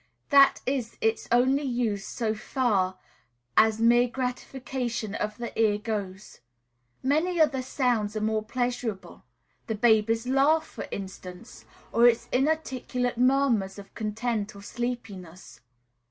That is its only use, so far as mere gratification of the ear goes. Many other sounds are more pleasurable, the baby's laugh, for instance, or its inarticulate murmurs of content or sleepiness.